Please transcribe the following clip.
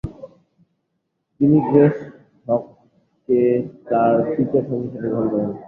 তিনি গ্রেস হগ্সকে তার তৃতীয় সঙ্গী হিসেবে গ্রহণ করেন।